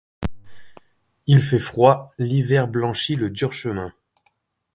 il fait froid L’hiver blanchit le dur chemin.